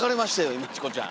今チコちゃん。